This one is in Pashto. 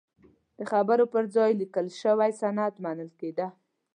د خبرو پر ځای لیکل شوی سند منل کېده.